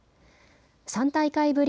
３大会ぶり